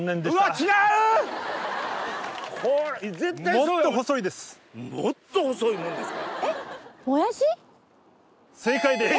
もっと細いもんですか？